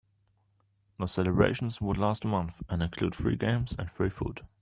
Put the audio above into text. The celebrations would last a month and include free games and free food.